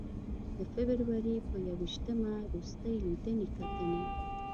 د فبروري په ی ویشتمه روستۍ لیدنې کتنې.